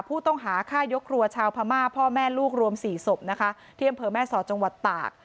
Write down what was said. ผู้ต้องหาฆ่ายกครัวชาวพม่าพ่อแม่ลูกรวมสี่ศพนะคะที่อำเภอแม่สอดจังหวัดตาก